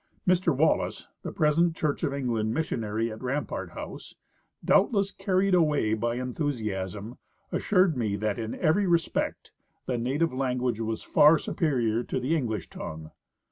Mr Wallis, the present Church of England missionary at Rampart house, doubtless carried away by enthu siasm, assured me that in every respect the native language was far superior to the English tongue.